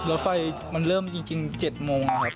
รถไฟมันเริ่มจริง๗โมงครับ